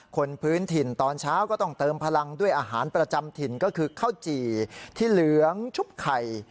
พื้นถิ่นตอนเช้าก็ต้องเติมพลังด้วยอาหารประจำถิ่นก็คือข้าวจี่ที่เหลืองชุบไข่